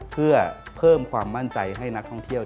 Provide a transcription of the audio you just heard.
เพื่อเพิ่มความมั่นใจให้นักท่องเที่ยว